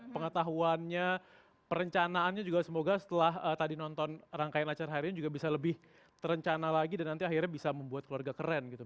pengetahuannya perencanaannya juga semoga setelah tadi nonton rangkaian acara hari ini juga bisa lebih terencana lagi dan nanti akhirnya bisa membuat keluarga keren gitu